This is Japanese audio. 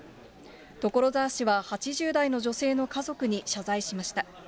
所沢市は、８０代の女性の家族に謝罪しました。